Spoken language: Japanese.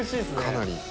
かなり。